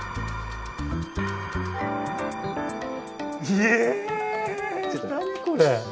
ひえ何これ。